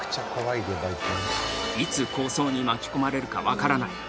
いつ抗争に巻き込まれるか分からない。